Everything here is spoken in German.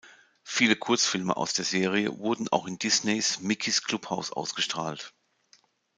Viele Kurzfilme aus der Serie wurden auch in "Disneys Mickys Clubhaus" ausgestrahlt.